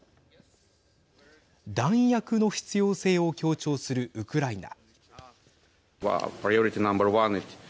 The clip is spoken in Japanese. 弾薬の必要性を強調するウクライナ。